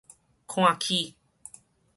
看起